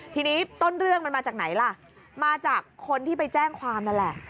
ทีนี้ต้นเรื่องมันมาจากไหนล่ะมาจากคนที่ไปแจ้งความนั่นแหละ